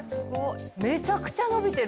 めちゃくちゃ伸びてる。